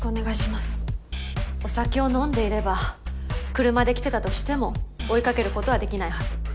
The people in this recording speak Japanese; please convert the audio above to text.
お酒を飲んでいれば車で来てたとしても追いかける事はできないはず。